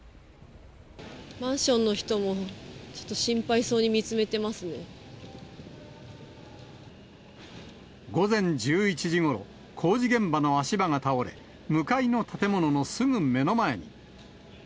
マンションの人も、ちょっと午前１１時ごろ、工事現場の足場が倒れ、向かいの建物のすぐ目の前に。